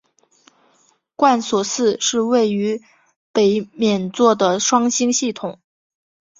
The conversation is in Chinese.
贯索四是位于北冕座的双星系统。